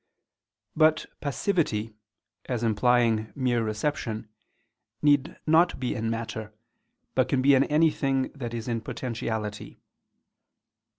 But passivity, as implying mere reception, need not be in matter, but can be in anything that is in potentiality.